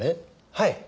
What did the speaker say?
はい。